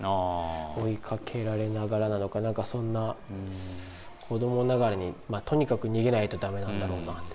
追いかけられながらなのか、なんかそんな、子どもながらにとにかく逃げないとだめなんだろうなって。